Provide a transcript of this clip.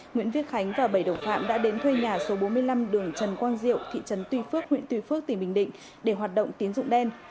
nguyễn viết khánh và bảy đồng phạm đã đến thuê nhà số bốn mươi năm đường trần quang diệu thị trấn tuy phước huyện tuy phước tỉnh bình định để hoạt động tiến dụng đen